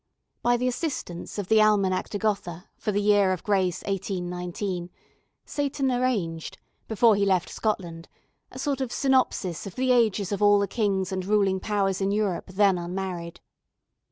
By the assistance of the Almanach de Gotha for the year of grace 1819, Seyton arranged, before he left Scotland, a sort of synopsis of the ages of all the kings and ruling powers in Europe then unmarried.